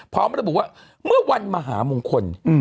เพราะมันบอกว่าเมื่อวันมหามงคลอืม